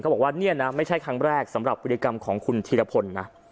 บอกว่าเนี่ยนะไม่ใช่ครั้งแรกสำหรับวิธีกรรมของคุณธีรพลนะ